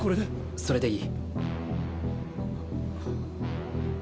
それでいい。